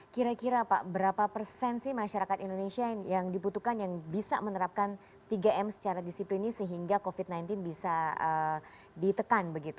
kira kira pak berapa persen sih masyarakat indonesia yang dibutuhkan yang bisa menerapkan tiga m secara disiplinnya sehingga covid sembilan belas bisa ditekan begitu